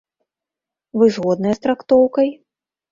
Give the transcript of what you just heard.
Вы згодныя з трактоўкай?